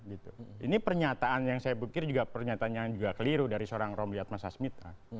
ini pernyataan yang saya pikir juga pernyataan yang juga keliru dari seorang romli atma sasmita